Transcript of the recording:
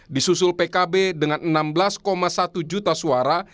disusul pkb dengan enam belas satu juta suara